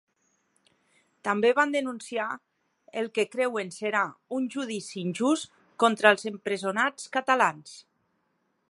També van denunciar el que creuen serà un judici injust contra els empresonats catalans.